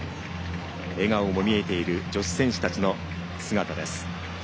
笑顔も見えている女子選手たちの姿です。